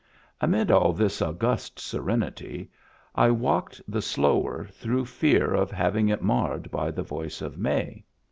Amid all this august serenity I walked the slower through fear of hav ing it marred by the voice of May.